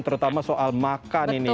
terutama soal makan ini